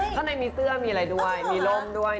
ข้างในมีเสื้อมีอะไรด้วยมีร่มด้วย